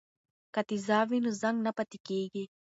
که تیزاب وي نو زنګ نه پاتې کیږي.